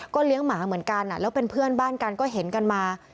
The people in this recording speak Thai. เลี้ยงหมาเหมือนกันแล้วเป็นเพื่อนบ้านกันก็เห็นกันมา